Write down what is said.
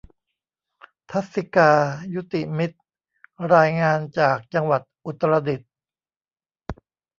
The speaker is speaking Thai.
ทรรศิกา ยุติมิตร รายงานจากจังหวัดอุตรดิตถ์